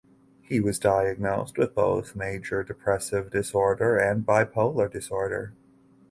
He was diagnosed with both major depressive disorder and bipolar disorder.